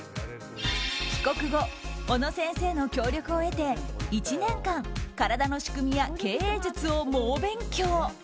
帰国後、小野先生の協力を得て１年間、体の仕組みや経営術を猛勉強。